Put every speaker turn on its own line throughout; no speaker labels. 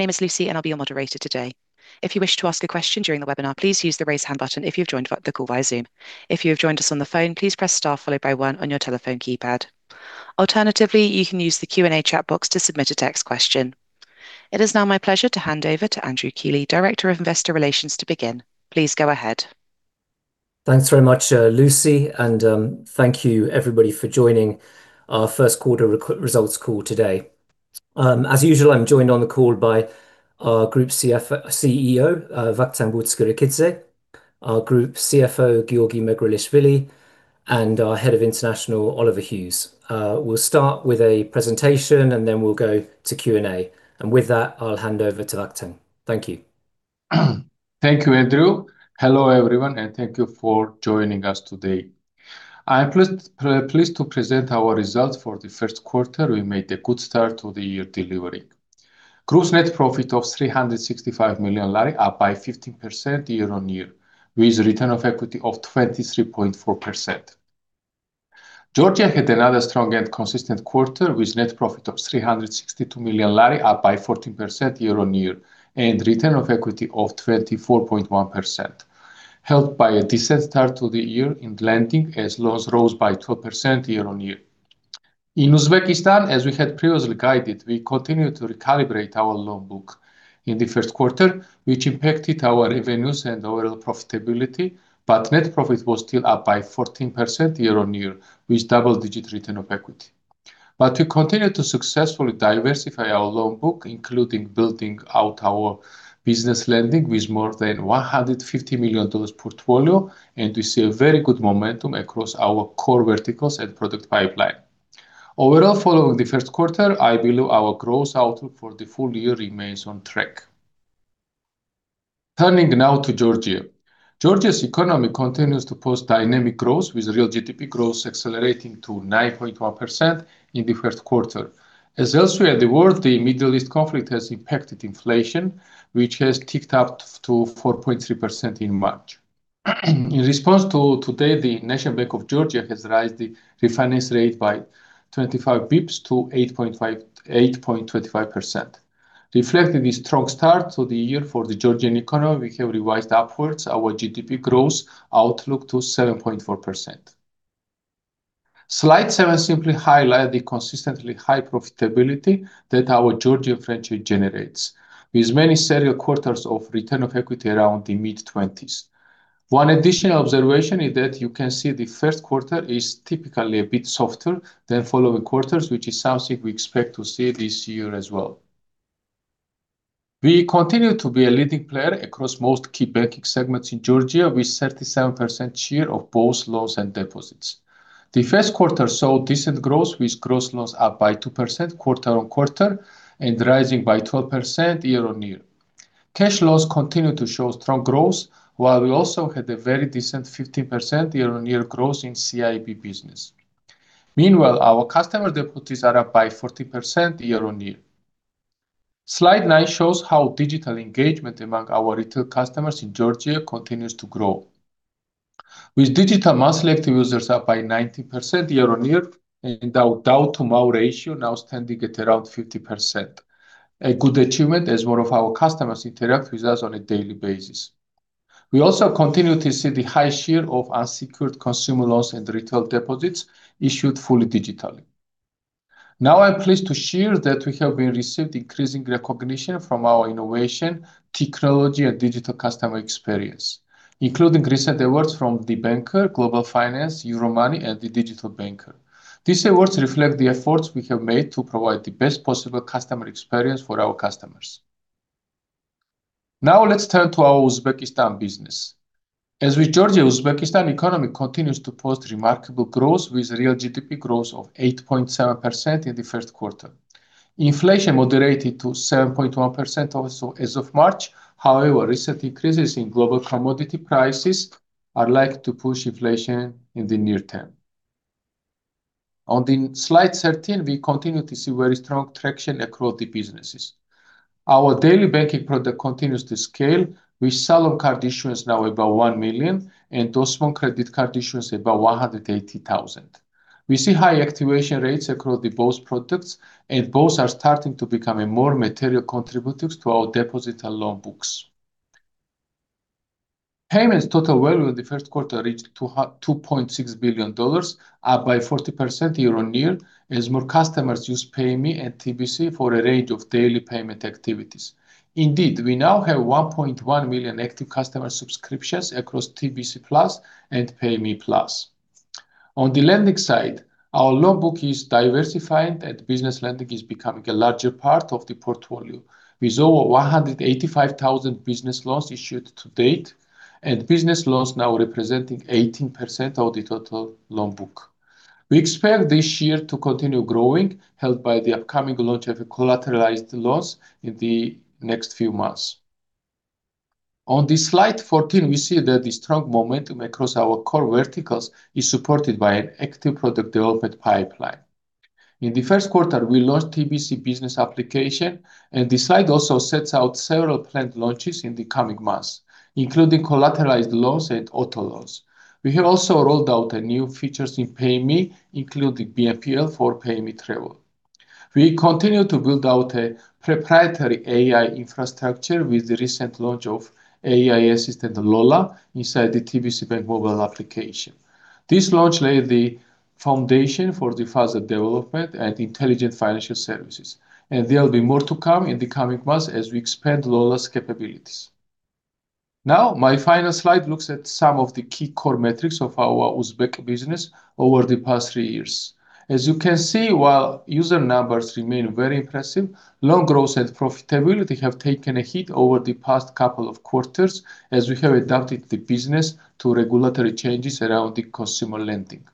My name is Lucy. I'll be your moderator today. If you wish to ask a question during the webinar, please use the Raise Hand button if you've joined the call via Zoom. If you have joined us on the phone, please press star followed by one on your telephone keypad. Alternatively, you can use the Q&A chat box to submit a text question. It is now my pleasure to hand over to Andrew Keeley, Director of Investor Relations, to begin. Please go ahead.
Thanks very much, Lucy, thank you everybody for joining our Q1 results call today. As usual, I'm joined on the call by our Group CEO, Vakhtang Butskhrikidze, our Group CFO, Giorgi Megrelishvili, and our Head of International, Oliver Hughes. We'll start with a presentation, then we'll go to Q&A. With that, I'll hand over to Vakhtang. Thank you.
Thank you, Andrew. Hello, everyone, and thank you for joining us today. I am pleased to present our results for the Q1. We made a good start to the year, delivering gross net profit of GEL 365 million, up by 15% year-on-year, with return on equity of 23.4%. Georgia had another strong and consistent quarter with net profit of GEL 362 million, up by 14% year-on-year, and return on equity of 24.1%, helped by a decent start to the year in lending as loans rose by 12% year-on-year. In Uzbekistan, as we had previously guided, we continued to recalibrate our loan book in the Q1, which impacted our revenues and overall profitability, but net profit was still up by 14% year-on-year, with double-digit return on equity. We continue to successfully diversify our loan book, including building out our business lending with more than $150 million portfolio, and we see a very good momentum across our core verticals and product pipeline. Overall, following the Q1, I believe our growth outlook for the full year remains on track. Turning now to Georgia. Georgia's economy continues to post dynamic growth with real GDP growth accelerating to 9.1% in the Q1. As elsewhere in the world, the Middle East conflict has impacted inflation, which has ticked up to 4.3% in March. In response to today, the National Bank of Georgia has raised the refinance rate by 25 basis points to 8.25%. Reflecting the strong start to the year for the Georgian economy, we have revised upwards our GDP growth outlook to 7.4%. Slide seven simply highlight the consistently high profitability that our Georgian franchise generates, with many serial quarters of return of equity around the mid-20s. One additional observation is that you can see the Q1 is typically a bit softer than following quarters, which is something we expect to see this year as well. We continue to be a leading player across most key banking segments in Georgia, with 37% share of both loans and deposits. The Q1 saw decent growth, with gross loans up by 2% quarter-on-quarter and rising by 12% year-on-year. Cash loans continued to show strong growth, while we also had a very decent 15% year-on-year growth in CIB business. Meanwhile, our customer deposits are up by 14% year-on-year. Slide nine shows how digital engagement among our retail customers in Georgia continues to grow. With digital monthly active users up by 19% year-on-year and our DAU-to-MAU ratio now standing at around 50%, a good achievement as more of our customers interact with us on a daily basis. We also continue to see the high share of unsecured consumer loans and retail deposits issued fully digitally. I'm pleased to share that we have been received increasing recognition from our innovation, technology, and digital customer experience, including recent awards from The Banker, Global Finance, Euromoney, and The Digital Banker. These awards reflect the efforts we have made to provide the best possible customer experience for our customers. Let's turn to our Uzbekistan business. As with Georgia, Uzbekistan economy continues to post remarkable growth, with real GDP growth of 8.7% in the Q1. Inflation moderated to 7.1% also as of March. However, recent increases in global commodity prices are likely to push inflation in the near term. On the slide 13, we continue to see very strong traction across the businesses. Our daily banking product continues to scale, with Salom Card issuance now above 1 million, and Osmon credit card issuance above 180,000. We see high activation rates across the both products, and both are starting to become a more material contributors to our deposit and loan books. Payments total value in the Q1 reached $2.6 billion, up by 40% year-on-year, as more customers use Payme and TBC for a range of daily payment activities. Indeed, we now have 1.1 million active customer subscriptions across TBC Plus and Payme Plus. On the lending side, our loan book is diversifying, and business lending is becoming a larger part of the portfolio, with over 185,000 business loans issued to date and business loans now representing 18% of the total loan book. We expect this year to continue growing, helped by the upcoming launch of collateralized loans in the next few months. On slide 14, we see that the strong momentum across our core verticals is supported by an active product development pipeline. In the Q1, we launched TBC Business application. The slide also sets out several planned launches in the coming months, including collateralized loans and auto loans. We have also rolled out new features in Payme, including BNPL for Payme travel. We continue to build out a proprietary AI infrastructure with the recent launch of AI assistant Lola inside the TBC Bank mobile application. This launch laid the foundation for the faster development and intelligent financial services. There'll be more to come in the coming months as we expand Lola's capabilities. My final slide looks at some of the key core metrics of our Uzbek business over the past three years. As you can see, while user numbers remain very impressive, loan growth and profitability have taken a hit over the past couple of quarters as we have adapted the business to regulatory changes around the consumer lending.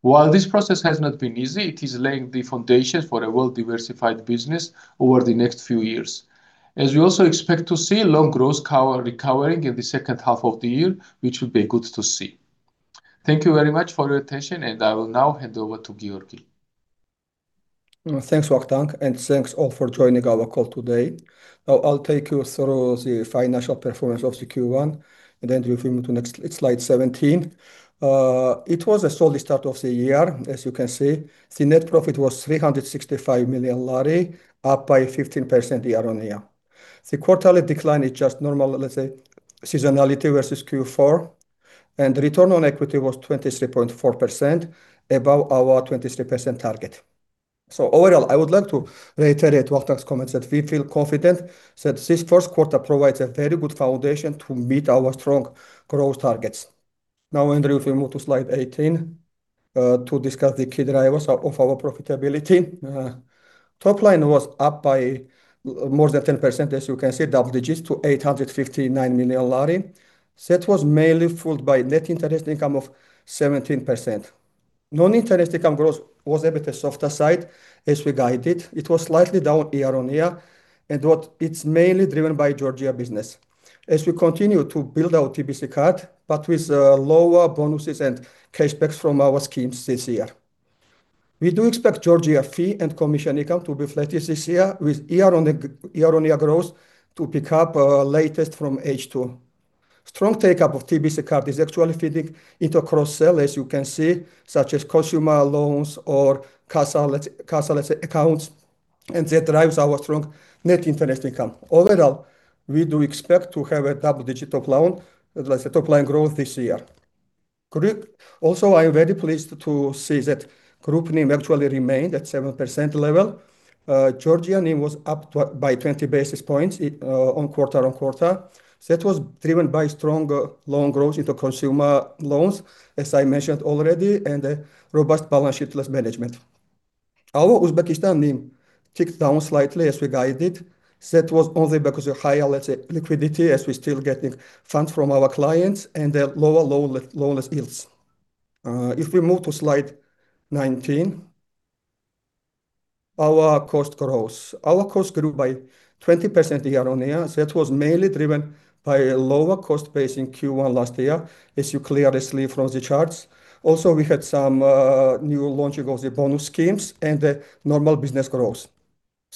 While this process has not been easy, it is laying the foundation for a well-diversified business over the next few years, as we also expect to see loan growth recovering in the H2 of the year, which will be good to see. Thank you very much for your attention, I will now hand over to Giorgi.
Thanks, Vakhtang, and thanks all for joining our call today. I'll take you through the financial performance of the Q1, and then if we move to next slide, 17. It was a solid start of the year, as you can see. The net profit was GEL 365 million, up by 15% year-over-year. The quarterly decline is just normal, let's say, seasonality versus Q4, and return on equity was 23.4%, above our 23% target. Overall, I would like to reiterate Vakhtang's comment that we feel confident that this Q1 provides a very good foundation to meet our strong growth targets. Andrew, if we move to slide 18, to discuss the key drivers of our profitability. Top line was up by more than 10%, as you can see, double digits to GEL 859 million. That was mainly fueled by net interest income of 17%. Non-interest income growth was a bit softer side, as we guided. It was slightly down year on year and it's mainly driven by Georgia business. As we continue to build our TBC Card, but with lower bonuses and cash backs from our schemes this year. We do expect Georgia fee and commission income to be flat this year with year on year growth to pick up latest from H2. Strong take-up of TBC Card is actually feeding into cross-sell, as you can see, such as consumer loans or CASA, let's say, accounts, and that drives our strong net interest income. Overall, we do expect to have a double-digit top line growth this year. Also, I'm very pleased to see that group NIM actually remained at 7% level. Georgia NIM was up by 20 basis points quarter-on-quarter. That was driven by strong loan growth into consumer loans, as I mentioned already, and a robust balance sheet less management. Our Uzbekistan NIM ticked down slightly as we guided. That was only because of higher, let's say, liquidity, as we're still getting funds from our clients and their lower loan yields. If we move to slide 19, our cost growth. Our cost grew by 20% year-on-year. That was mainly driven by a lower cost base in Q1 last year, as you clearly see from the charts. We had some new launching of the bonus schemes and the normal business growth.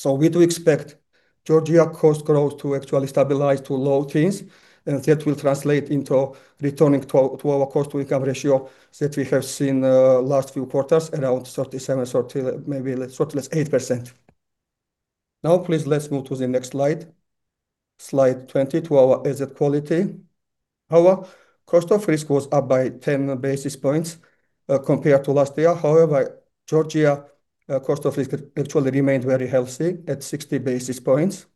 We do expect Georgia cost growth to actually stabilize to low teens, and that will translate into returning to our cost to income ratio that we have seen last few quarters, around 37%-38%. Please let's move to the next slide 20, to our asset quality. Our cost of risk was up by 10 basis points compared to last year. Georgia cost of risk actually remained very healthy at 60 basis points.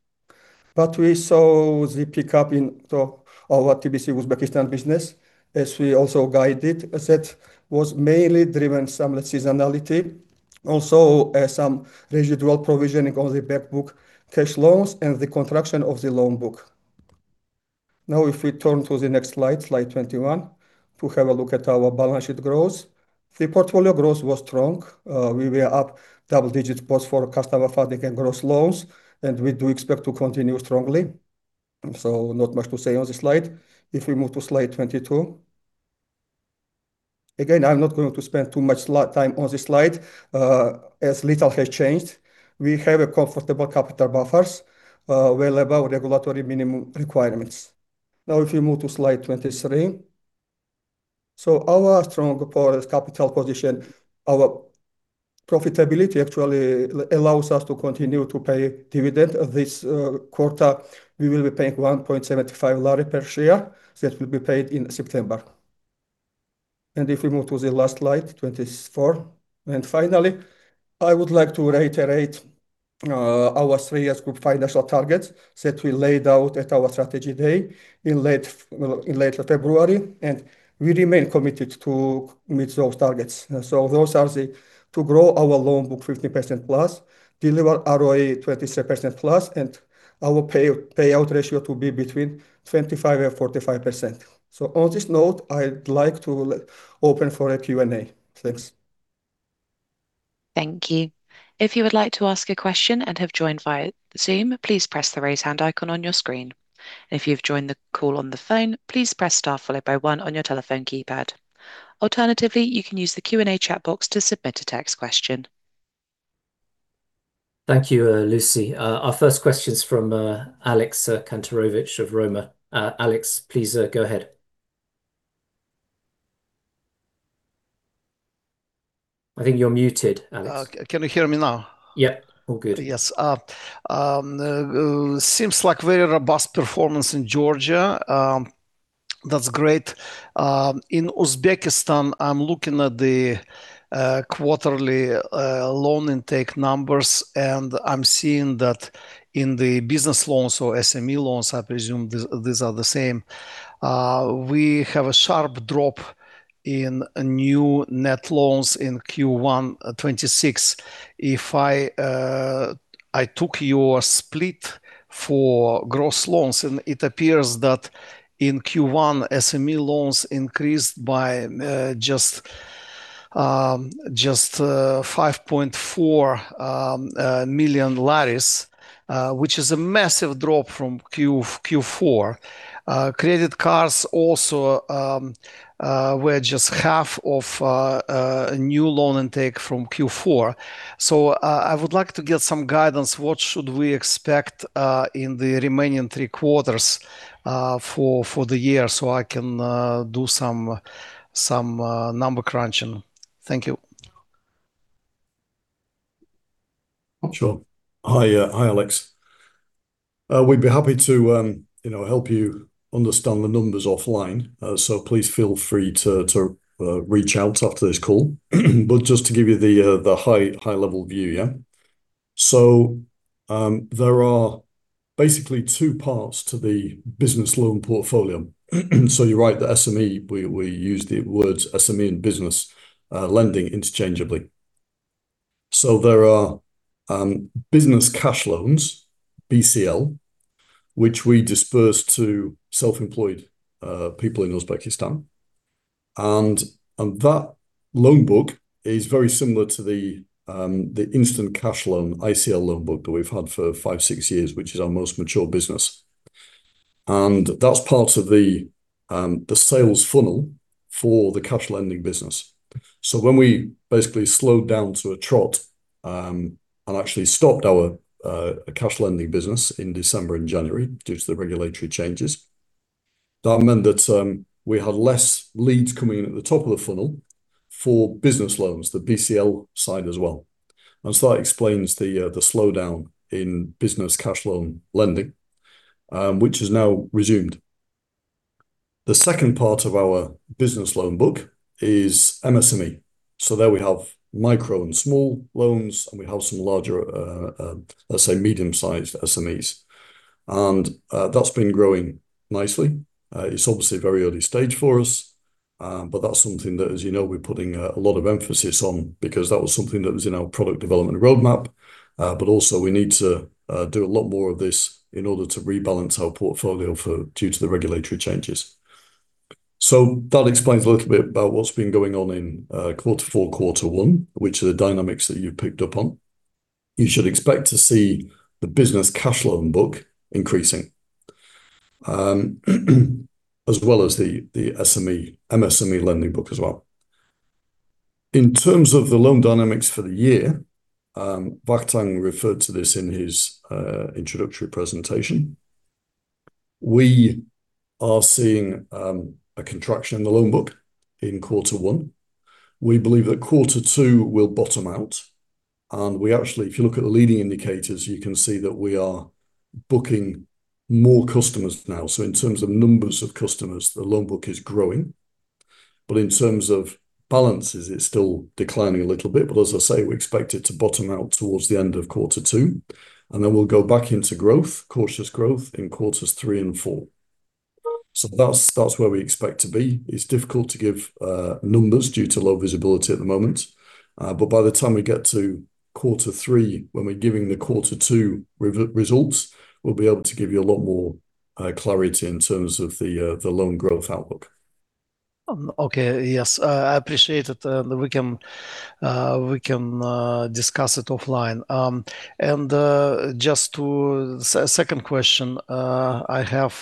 We saw the pickup in to our TBC Uzbekistan business, as we also guided. That was mainly driven some seasonality, also some residual provisioning on the back book cash loans and the contraction of the loan book. If we turn to the next slide 21, to have a look at our balance sheet growth. The portfolio growth was strong. We were up double digits both for customer funding and gross loans, and we do expect to continue strongly. Not much to say on this slide. If we move to slide 22. Again, I'm not going to spend too much time on this slide, as little has changed. We have a comfortable capital buffers, well above regulatory minimum requirements. If we move to slide 23. Our strong capital position, our profitability actually allows us to continue to pay dividend. This quarter, we will be paying GEL 1.75 per share. That will be paid in September. If we move to the last slide, 24. Finally, I would like to reiterate our 3-year group financial targets that we laid out at our strategy day in late February. We remain committed to meet those targets. Those are to grow our loan book 15%+, deliver ROE 23%+, and our payout ratio to be between 25%-45%. On this note, I'd like to open for a Q&A. Thanks.
Thank you. If you would like to ask a question and have joined via Zoom, please press the raise hand icon on your screen. If you've joined the call on the phone, please press Star followed by one on your telephone keypad. Alternatively, you can use the Q&A chat box to submit a text question.
Thank you, Lucy. Our first question is from Alex Kantarovich of Roemer. Alex, please, go ahead.
I think you're muted, Alex. Can you hear me now? Yeah. All good. Yes. Seems like very robust performance in Georgia. That's great. In Uzbekistan, I'm looking at the quarterly loan intake numbers, and I'm seeing that in the business loans or SME loans, I presume these are the same, we have a sharp drop in new net loans in Q1 2026. If I took your split for gross loans, and it appears that in Q1, SME loans increased by just GEL 5.4 million, which is a massive drop from Q4. Credit cards also were just half of a new loan intake from Q4. I would like to get some guidance, what should we expect in the remaining three quarters for the year, so I can do some number crunching? Thank you.
Sure. Hi, hi, Alex. We'd be happy to, you know, help you understand the numbers offline. Please feel free to reach out after this call. Just to give you the high level view, yeah? There are basically two parts to the business loan portfolio. You're right, the SME, we use the words SME and business lending interchangeably. There are business cash loans, BCL, which we disperse to self-employed people in Uzbekistan, and that loan book is very similar to the instant cash loan, ICL loan book that we've had for 5, 6 years, which is our most mature business. That's part of the sales funnel for the cash lending business. When we basically slowed down to a trot, and actually stopped our cash lending business in December and January due to the regulatory changes, that meant that we had less leads coming in at the top of the funnel for business loans, the BCL side as well. That explains the slowdown in business cash loan lending, which has now resumed. The second part of our business loan book is MSME. There we have micro and small loans, and we have some larger, let's say medium sized SMEs. That's been growing nicely. It's obviously very early stage for us, but that's something that, as you know, we're putting a lot of emphasis on because that was something that was in our product development roadmap. Also, we need to do a lot more of this in order to rebalance our portfolio for due to the regulatory changes. That explains a little bit about what's been going on in Q4, Q1, which are the dynamics that you picked up on. You should expect to see the business cash loan book increasing. As well as the SME, MSME lending book as well. In terms of the loan dynamics for the year, Vakhtang referred to this in his introductory presentation. We are seeing a contraction in the loan book in Q1. We believe that Q2 will bottom out, and we actually, if you look at the leading indicators, you can see that we are booking more customers now. In terms of numbers of customers, the loan book is growing. In terms of balances, it's still declining a little bit. As I say, we expect it to bottom out towards the end of Q2, and then we'll go back into growth, cautious growth, in quarters three and four. That's where we expect to be. It's difficult to give numbers due to low visibility at the moment. By the time we get to Q3, when we're giving the Q2 results, we'll be able to give you a lot more clarity in terms of the loan growth outlook.
Okay, yes. I appreciate that we can discuss it offline. Just to second question I have.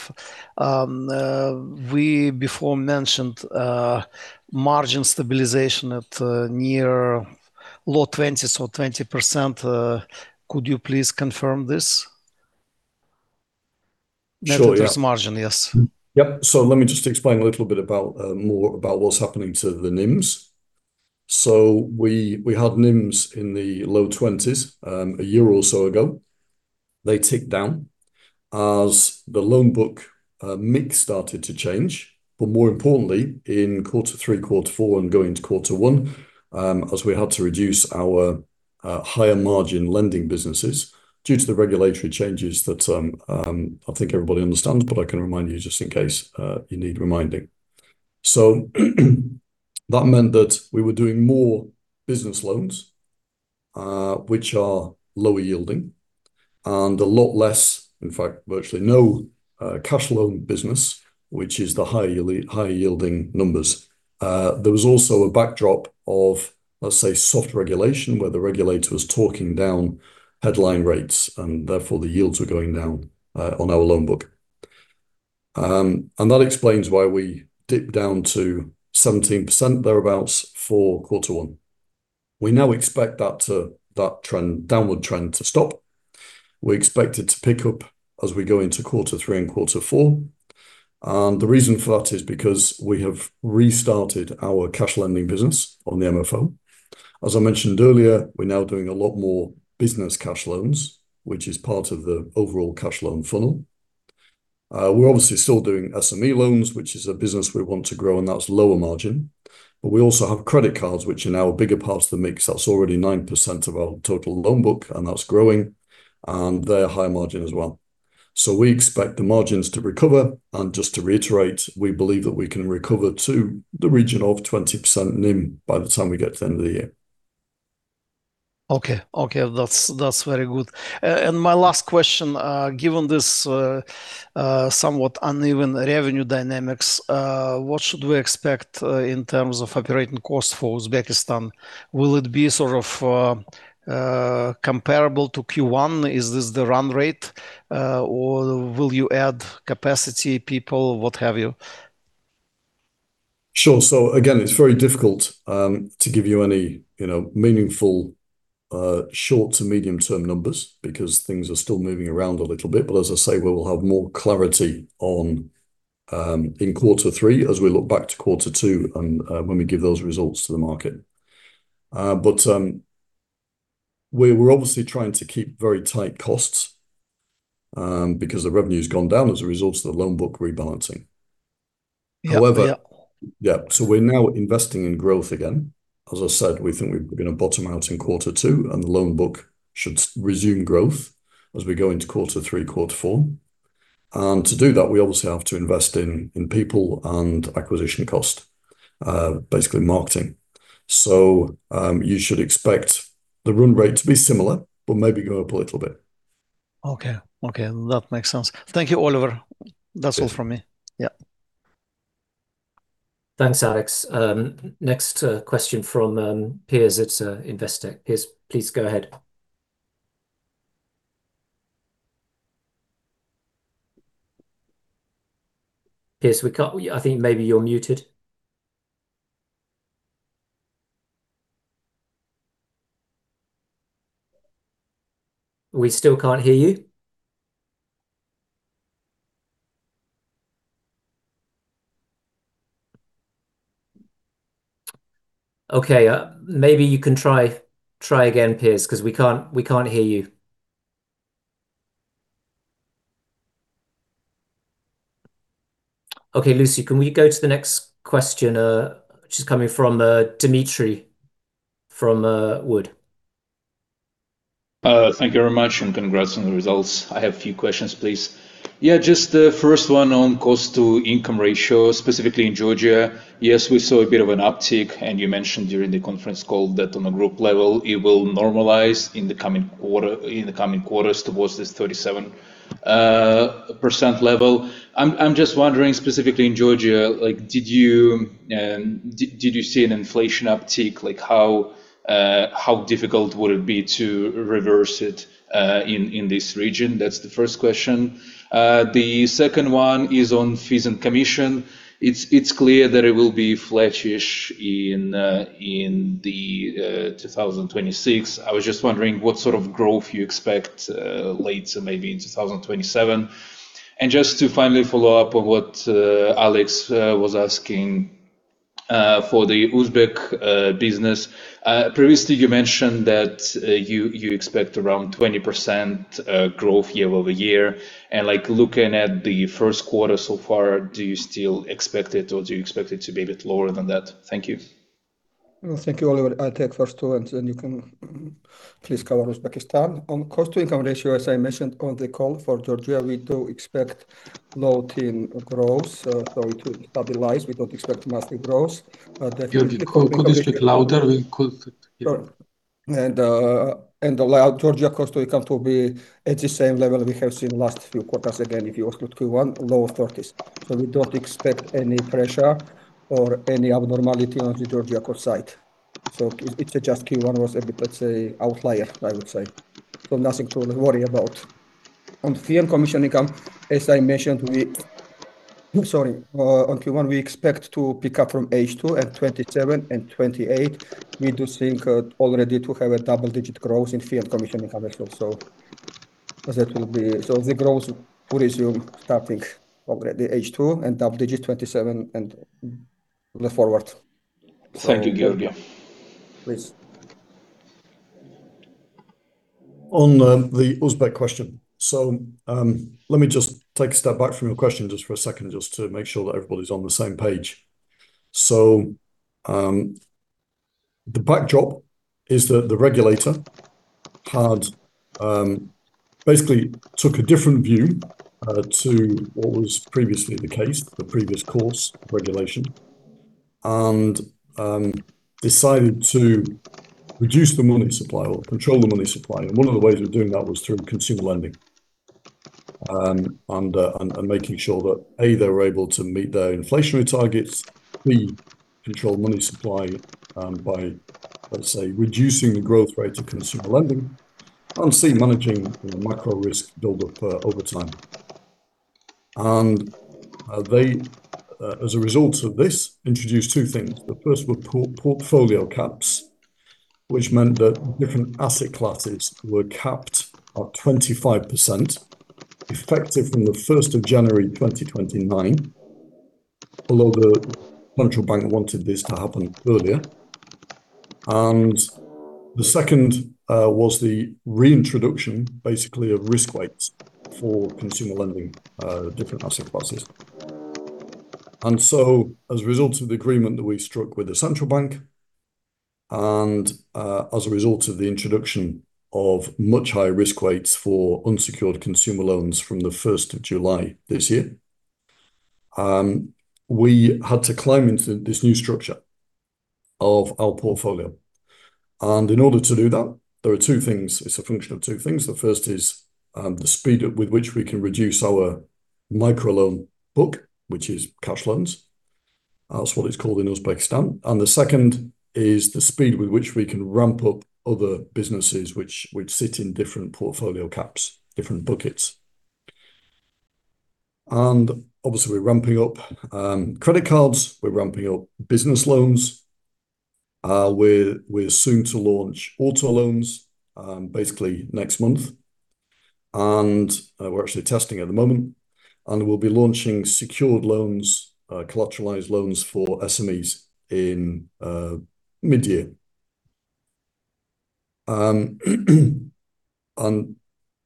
We before mentioned margin stabilization at near low 20s or 20%. Could you please confirm this?
Sure, yeah.
Net interest margin, yes.
Yep. Let me just explain a little bit more about what's happening to the NIMs. We had NIMs in the low 20s, a year or so ago. They ticked down as the loan book mix started to change, but more importantly, in Q3, Q4 and going into Q1, as we had to reduce our higher margin lending businesses due to the regulatory changes that I think everybody understands, but I can remind you just in case you need reminding. That meant that we were doing more business loans, which are lower yielding, and a lot less, in fact, virtually no cash loan business, which is the higher yielding numbers. There was also a backdrop of, let's say, soft regulation where the regulator was talking down headline rates, and therefore the yields were going down on our loan book. That explains why we dipped down to 17%, thereabouts, for Q1. we now expect that trend, downward trend to stop. We expect it to pick up as we go into Q3 and Q4. The reason for that is because we have restarted our cash lending business on the MFO. As I mentioned earlier, we're now doing a lot more business cash loans, which is part of the overall cash loan funnel. We're obviously still doing SME loans, which is a business we want to grow, and that's lower margin. We also have credit cards, which are now a bigger part of the mix. That's already 9% of our total loan book, and that's growing, and they're high margin as well. We expect the margins to recover, and just to reiterate, we believe that we can recover to the region of 20% NIM by the time we get to the end of the year.
Okay. Okay. That's very good. My last question, given this, somewhat uneven revenue dynamics, what should we expect in terms of operating costs for Uzbekistan? Will it be sort of, comparable to Q1? Is this the run rate? Or will you add capacity, people, what have you?
Sure. Again, it's very difficult to give you any, you know, meaningful short to medium term numbers because things are still moving around a little bit. As I say, we will have more clarity on in Q3 as we look back to Q2 and when we give those results to the market. We're obviously trying to keep very tight costs because the revenue's gone down as a result of the loan book rebalancing.
Yeah. Yeah.
Yeah. We're now investing in growth again. As I said, we think we're gonna bottom out in Q2, and the loan book should resume growth as we go into Q3, Q4. To do that, we obviously have to invest in people and acquisition cost. Basically marketing. You should expect the run rate to be similar, but maybe go up a little bit.
Okay. Okay. That makes sense. Thank you, Oliver. That's all from me. Yeah.
Thanks, Alex. Next question from Piers. It's Investec. Piers, please go ahead. Piers, I think maybe you're muted. We still can't hear you. Okay. Maybe you can try again, Piers, 'cause we can't hear you. Okay, Lucy, can we go to the next question, which is coming from Dmitry from Wood.
Thank you very much and congrats on the results. I have a few questions, please. Just the first one on cost to income ratio, specifically in Georgia. Yes, we saw a bit of an uptick, and you mentioned during the conference call that on a group level, it will normalize in the coming quarters towards this 37% level. I'm just wondering, specifically in Georgia, like, did you see an inflation uptick? Like, how difficult would it be to reverse it in this region? That's the first question. The second one is on fees and commission. It's clear that it will be flattish in 2026. I was just wondering what sort of growth you expect later, maybe in 2027. Just to finally follow up on what Alex was asking for the Uzbek business. Previously you mentioned that you expect around 20% growth year-over-year. Looking at the Q1 so far, do you still expect it or do you expect it to be a bit lower than that? Thank you.
Well, thank you, Oliver. I'll take first two. You can please cover Uzbekistan. On cost to income ratio, as I mentioned on the call for Georgia, we do expect low teen growth. It will stabilize. We don't expect massive growth.
Giorgi, could you speak louder? We could.
Yeah, sure. The Georgia cost to income to be at the same level we have seen last few quarters. If you look at Q1, low 30s. We don't expect any pressure or any abnormality on the Georgia core site. It's just Q1 was a bit, let's say, outlier, I would say. Nothing to worry about. On fee and commission income, as I mentioned, on Q1, we expect to pick up from H2 at 2027 and 2028. We do think already to have a double-digit growth in fee and commission income as well. The growth will resume starting already H2 and double-digit 2027 and going forward.
Thank you, Giorgi.
Please.
The Uzbek question. Let me just take a step back from your question just for a second just to make sure that everybody's on the same page. The backdrop is that the regulator had basically took a different view to what was previously the case, the previous course regulation, and decided to reduce the money supply or control the money supply. One of the ways of doing that was through consumer lending and making sure that, A, they were able to meet their inflationary targets, B, control money supply by, let's say, reducing the growth rate of consumer lending, and C, managing the macro risk build-up over time. They, as a result of this, introduced two things. The first were portfolio caps, which meant that different asset classes were capped at 25% effective from January 1st, 2029. Although the Central Bank wanted this to happen earlier. The second was the reintroduction, basically of risk weights for consumer lending, different asset classes. As a result of the agreement that we struck with the Central Bank, as a result of the introduction of much higher risk weights for unsecured consumer loans from July 1 this year, we had to climb into this new structure of our portfolio. In order to do that, there are two things. It's a function of two things. The first is the speed at which we can reduce our microloan book, which is cash loans. That's what it's called in Uzbekistan. The second is the speed with which we can ramp up other businesses which sit in different portfolio caps, different buckets. Obviously we're ramping up credit cards, we're ramping up business loans. We're soon to launch auto loans, basically next month. We're actually testing at the moment. We'll be launching secured loans, collateralized loans for SMEs in mid-year. That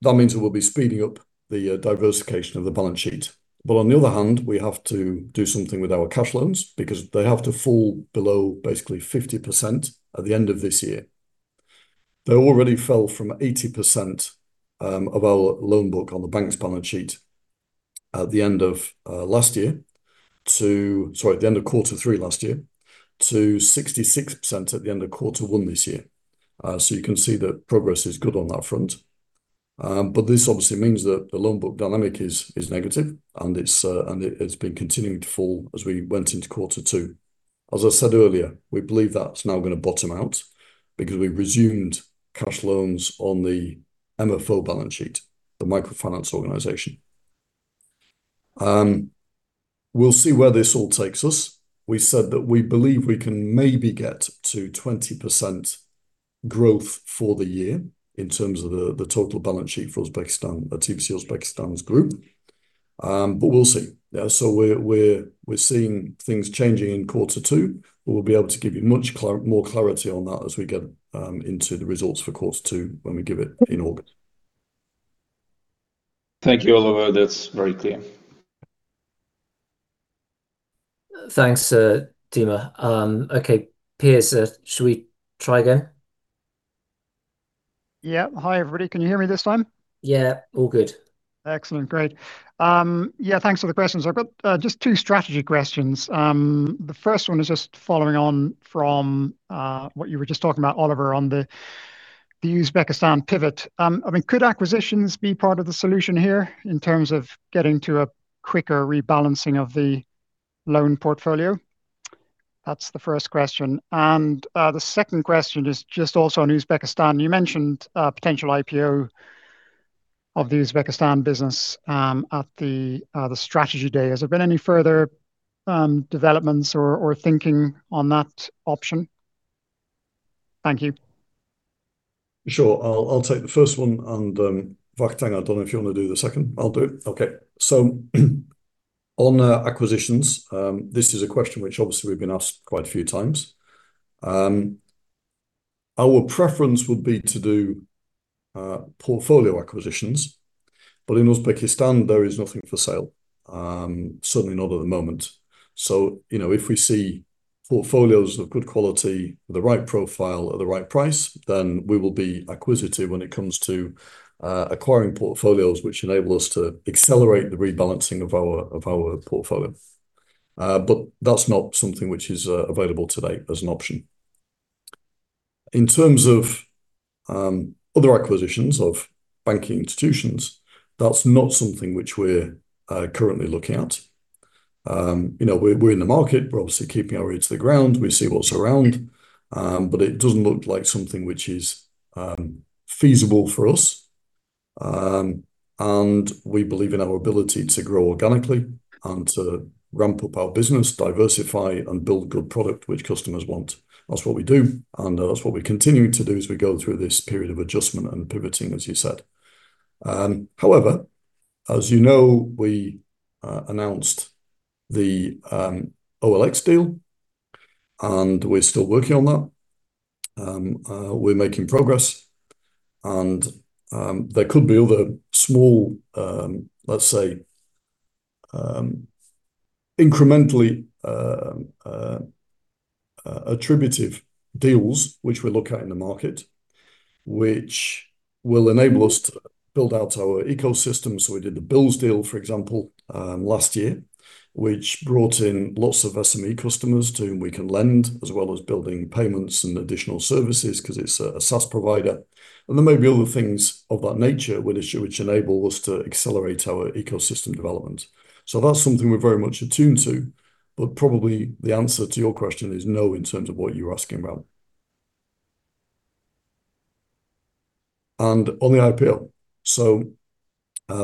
means that we'll be speeding up the diversification of the balance sheet. On the other hand, we have to do something with our cash loans because they have to fall below basically 50% at the end of this year. They already fell from 80%, of our loan book on the bank's balance sheet at the end of last year to Sorry, at the end of Q3 last year to 66% at the end of Q1 this year. You can see that progress is good on that front. This obviously means that the loan book dynamic is negative, and it's been continuing to fall as we went into Q2. As I said earlier, we believe that's now gonna bottom out because we resumed cash loans on the MFO balance sheet, the microfinance organization. We'll see where this all takes us. We said that we believe we can maybe get to 20% growth for the year in terms of the total balance sheet for Uzbekistan, TBC Uzbekistan's group. We'll see. We're seeing things changing in Q2. We'll be able to give you much more clarity on that as we get into the results for Q2 when we give it in August.
Thank you, Oliver. That's very clear.
Thanks, Dima. Okay, Piers, should we try again?
Yeah. Hi, everybody. Can you hear me this time?
Yeah, all good.
Excellent. Great. Thanks for the questions. I've got just two strategy questions. The first one is just following on from what you were just talking about, Oliver, on the Uzbekistan pivot. I mean, could acquisitions be part of the solution here in terms of getting to a quicker rebalancing of the loan portfolio? That's the first question. The second question is just also on Uzbekistan. You mentioned a potential IPO of the Uzbekistan business at the strategy day. Has there been any further developments or thinking on that option? Thank you.
Sure. I'll take the first one. Vakhtang, I don't know if you wanna do the second. I'll do it. Okay. On acquisitions, this is a question which obviously we've been asked quite a few times. Our preference would be to do portfolio acquisitions. In Uzbekistan, there is nothing for sale, certainly not at the moment. You know, if we see portfolios of good quality with the right profile at the right price, then we will be acquisitive when it comes to acquiring portfolios which enable us to accelerate the rebalancing of our portfolio. That's not something which is available today as an option. In terms of other acquisitions of banking institutions, that's not something which we're currently looking at. You know, we're in the market. We're obviously keeping our ear to the ground. We see what's around, but it doesn't look like something which is feasible for us. We believe in our ability to grow organically and to ramp up our business, diversify and build good product which customers want. That's what we do, and that's what we're continuing to do as we go through this period of adjustment and pivoting, as you said. However, as you know, we announced the OLX deal, and we're still working on that. We're making progress. There could be other small, let's say, incrementally, attributive deals which we look at in the market, which will enable us to build out our ecosystem. We did the Billz deal, for example, last year, which brought in lots of SME customers to whom we can lend, as well as building payments and additional services 'cause it's a SaaS provider. There may be other things of that nature which enable us to accelerate our ecosystem development. That's something we're very much attuned to, but probably the answer to your question is no in terms of what you were asking about. On the IPO.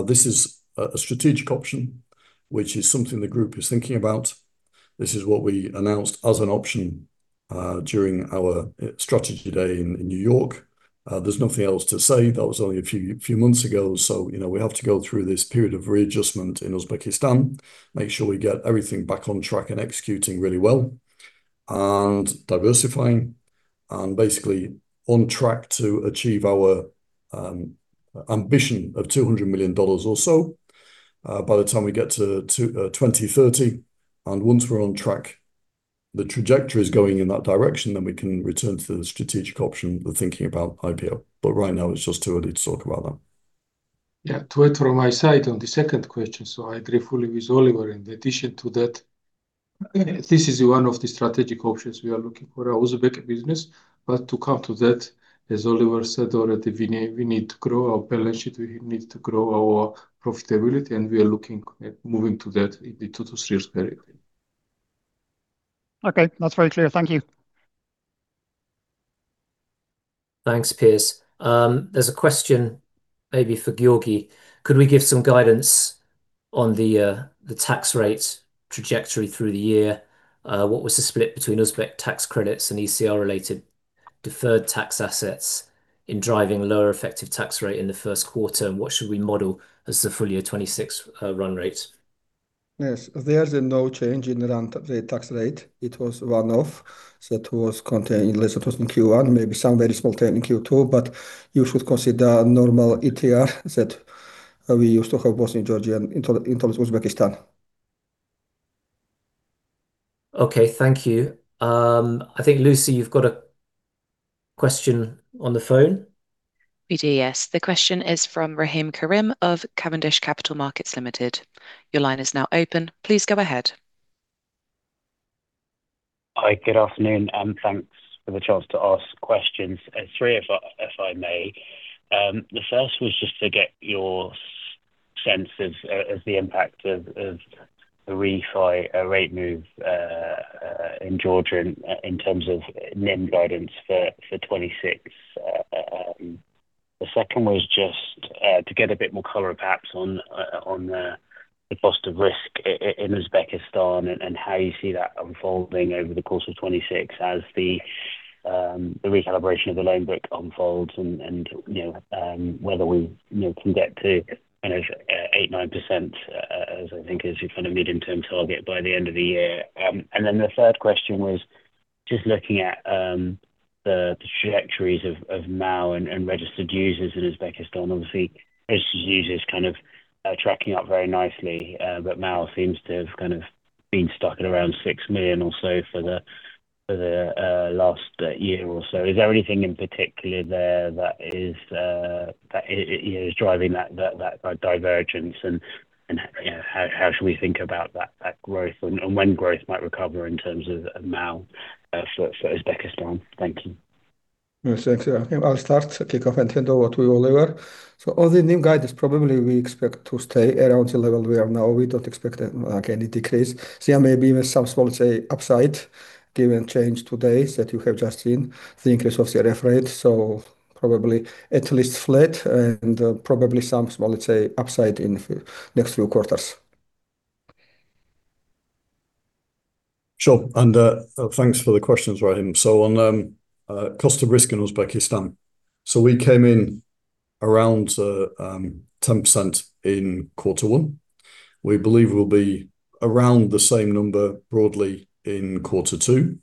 This is a strategic option, which is something the group is thinking about. This is what we announced as an option during our strategy day in New York. There's nothing else to say. That was only a few months ago, you know, we have to go through this period of readjustment in Uzbekistan, make sure we get everything back on track and executing really well. Diversifying and basically on track to achieve our ambition of $200 million or so, by the time we get to 2030. Once we're on track, the trajectory is going in that direction, then we can return to the strategic option. We're thinking about IPO. Right now it's just too early to talk about that.
Yeah. To add from my side on the second question, I agree fully with Oliver. In addition to that, this is one of the strategic options we are looking for our Uzbek business. To come to that, as Oliver said already, we need to grow our balance sheet, we need to grow our profitability, and we are looking at moving to that in the 2 to 3 years directly.
Okay. That's very clear. Thank you.
Thanks, Piers. There's a question maybe for Giorgi. Could we give some guidance on the tax rate trajectory through the year? What was the split between Uzbek tax credits and ECR-related deferred tax assets in driving lower effective tax rate in the Q1? What should we model as the full year 2026 run rate?
Yes. There's no change in run rate tax rate. It was one-off, so it was contained unless it was in Q1, maybe some very small term in Q2. You should consider normal ETR that we used to have both in Georgia and in Uzbekistan.
Okay. Thank you. I think, Lucy, you've got a question on the phone.
We do, yes. The question is from Rahim Karim of Cavendish Capital Markets Ltd.. Your line is now open. Please go ahead.
Hi. Good afternoon, and thanks for the chance to ask questions. Three if I may. The first was just to get your sense of the impact of the refi rate move in Georgia in terms of NIM guidance for 2026. The second was just to get a bit more color perhaps on the cost of risk in Uzbekistan and how you see that unfolding over the course of 2026 as the recalibration of the loan book unfolds and, you know, whether we, you know, can get to, I don't know, 8%, 9% as I think is your kind of medium-term target by the end of the year. The third question was just looking at the trajectories of MAU and registered users in Uzbekistan. Obviously, registered users kind of tracking up very nicely, but MAU seems to have kind of been stuck at around 6 million or so for the last year or so. Is there anything in particular there that is driving that divergence? You know, how should we think about that growth and when growth might recover in terms of MAU for Uzbekistan? Thank you.
Yes, thanks. I'll start, kick off and hear what Oliver. On the NIM guidance, probably we expect to stay around the level we are now. We don't expect any decrease. There may be some small, say, upside given change today that you have just seen, the increase of the ref rate. Probably at least flat and probably some small, let's say, upside in the next few quarters.
Sure. Thanks for the questions, Rahim. On cost of risk in Uzbekistan. We came in around 10% in Q1. We believe we'll be around the same number broadly in Q2.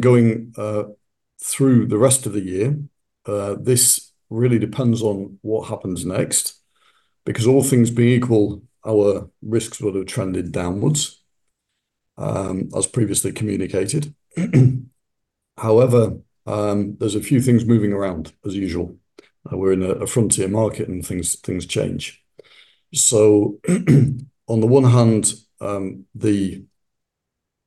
Going through the rest of the year, this really depends on what happens next because all things being equal, our risks would have trended downwards as previously communicated. However, there's a few things moving around as usual. We're in a frontier market and things change. On the one hand,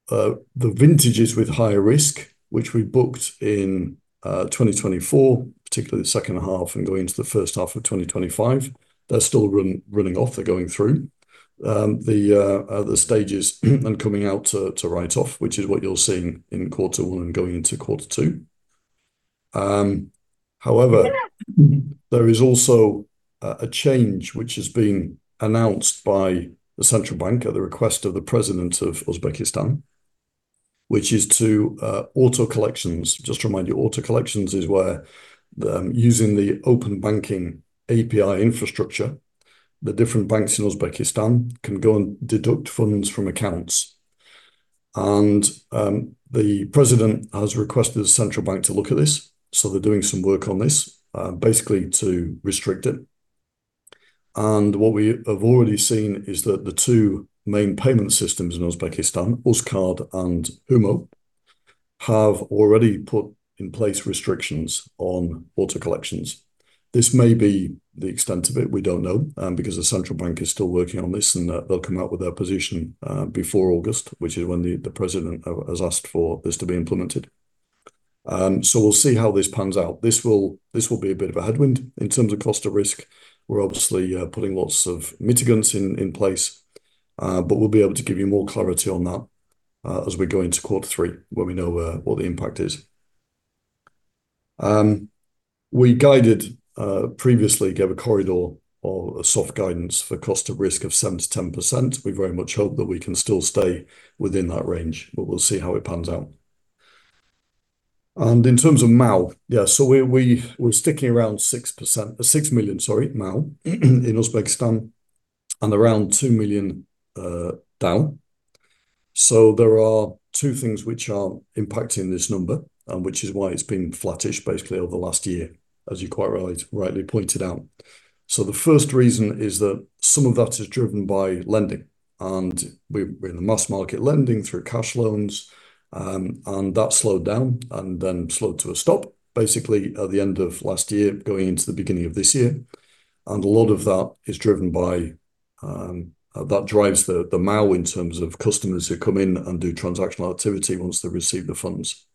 the vintages with higher risk, which we booked in 2024, particularly the H2 and going into the H1 of 2025, they're still running off. They're going through the stages and coming out to write off, which is what you're seeing in Q1 and going into Q2. However, there is also a change which has been announced by the central bank at the request of the president of Uzbekistan, which is to auto collections. Just to remind you, auto collections is where they're using the open banking API infrastructure. The different banks in Uzbekistan can go and deduct funds from accounts. The president has requested the central bank to look at this, so they're doing some work on this basically to restrict it. What we have already seen is that the two main payment systems in Uzbekistan, Uzcard and HUMO, have already put in place restrictions on auto collections. This may be the extent of it, we don't know, because the central bank is still working on this, they'll come out with their position before August, which is when the president has asked for this to be implemented. We'll see how this pans out. This will be a bit of a headwind in terms of cost of risk. We're obviously putting lots of mitigants in place. We'll be able to give you more clarity on that as we go into Q3 when we know what the impact is. We guided previously gave a corridor or a soft guidance for cost of risk of 7%-10%. We very much hope that we can still stay within that range, we'll see how it pans out. In terms of MAU, we're sticking around 6 million MAU in Uzbekistan, and around 2 million down. There are two things which are impacting this number, and which is why it's been flattish basically over the last year, as you quite rightly pointed out. The first reason is that some of that is driven by lending, and we're in the mass market lending through cash loans. That slowed down, and then slowed to a stop basically at the end of last year, going into the beginning of this year. A lot of that is driven by, that drives the MAU in terms of customers who come in and do transactional activity once they receive the funds.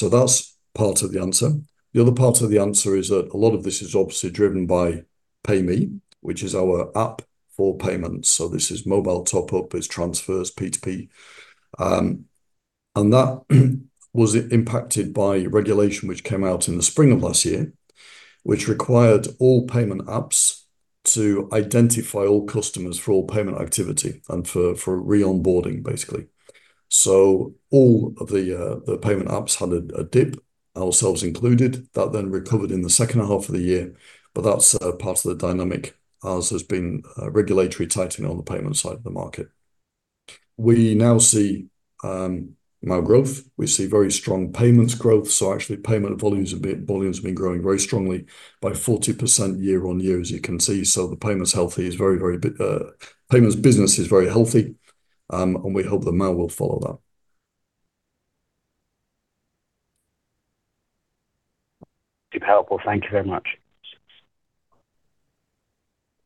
That's part of the answer. The other part of the answer is that a lot of this is obviously driven by Payme, which is our app for payments. This is mobile top up, it's transfers, P2P. That was impacted by regulation which came out in the spring of last year, which required all payment apps to identify all customers for all payment activity and for re-onboarding, basically. All of the payment apps had a dip, ourselves included. That recovered in the H2 of the year. That's part of the dynamic as there's been regulatory tightening on the payment side of the market. We now see MAU growth. We see very strong payments growth, so actually payment volumes have been growing very strongly by 40% year-on-year, as you can see. The payment's healthy, payments business is very healthy, and we hope the MAU will follow that.
Too helpful. Thank you very much.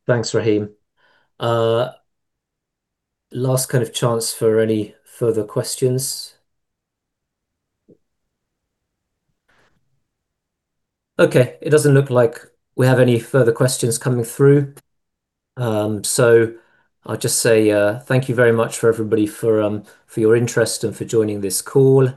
Thanks, Rahim. Last kind of chance for any further questions. Okay. It doesn't look like we have any further questions coming through. I'll just say thank you very much for everybody for your interest and for joining this call. You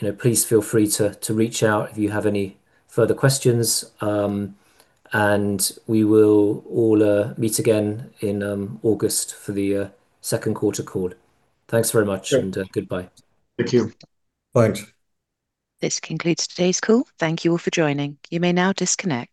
know, please feel free to reach out if you have any further questions. We will all meet again in August for the Q2 call. Thanks very much and goodbye.
Thank you.
Bye.
This concludes today's call. Thank you all for joining. You may now disconnect.